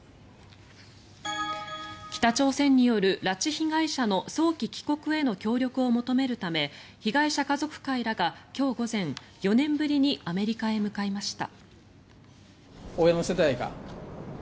北朝鮮による拉致被害者の早期帰国への協力を求めるため被害者家族会らが今日午前４年ぶりにアメリカへ向かいました。